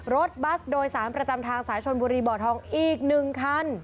รถบัสโดยสารประจำทางสายชนบุรีบ่อทองอีก๑คัน